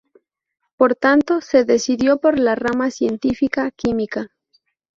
Por tanto, se decidió por la rama científica: química.